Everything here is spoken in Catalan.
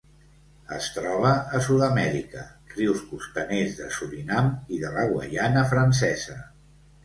Es troba a Sud-amèrica: rius costaners de Surinam i de la Guaiana Francesa.